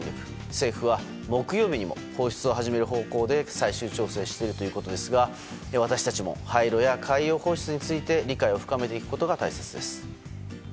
政府は木曜日にも放出を始める方向で最終調整をしているということですが私たちも廃炉や海洋放出について理解を深めていくことが大切です。